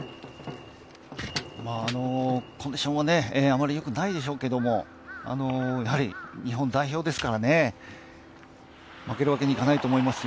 コンディションもあんまりよくないでしょうけどやはり、日本代表ですから負けるわけにはいかないと思いますよ。